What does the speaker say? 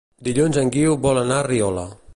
Dilluns en Guiu vol anar a Riola.